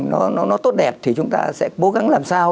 nó tốt đẹp thì chúng ta sẽ cố gắng làm sao